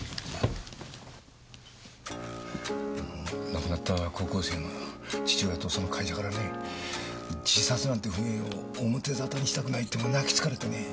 亡くなった高校生の父親とその会社からね自殺なんて不名誉表沙汰にしたくないって泣きつかれてねぇ。